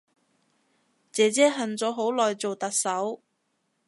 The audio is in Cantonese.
姐姐恨咗好耐做特首